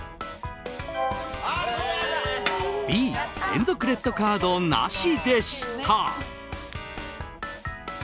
Ｂ、連続レッドカードなしでした。